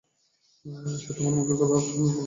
সে আর তোমার মুখের সামনে বলব না!